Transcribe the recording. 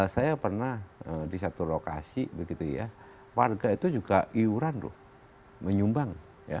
saya pernah di satu lokasi warga itu juga iuran loh menyumbang